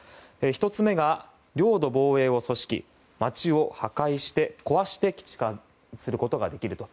１つ目が、領土防衛を組織街を破壊して基地化することができると。